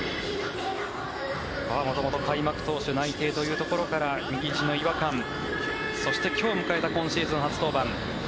元々開幕投手内定というところから右ひじの違和感、そして今日迎えた今シーズン初登板。